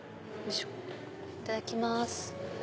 いただきます。